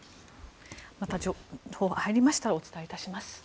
また情報が入りましたらお伝えいたします。